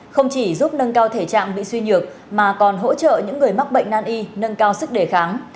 không chỉ giúp nâng cao thể trạng bị suy nhược mà còn hỗ trợ những người mắc bệnh nan y nâng cao sức đề kháng